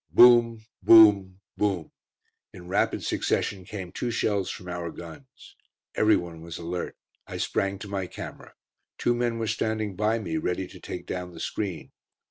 Boom boom boom. In rapid succession came two shells from our guns. Everyone was alert. I sprang to my camera. Two men were standing by me, ready to take down the screen.